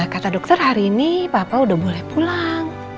kata dokter hari ini papa udah boleh pulang